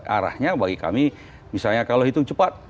arahnya bagi kami misalnya kalau hitung cepat